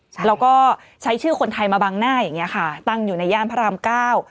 ใช่แล้วก็ใช้ชื่อคนไทยมาบังหน้าอย่างเงี้ค่ะตั้งอยู่ในย่านพระรามเก้า